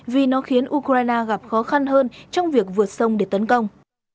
vì nó khiến ukraine gặp khó khăn hơn trong việc vượt sông để tấn công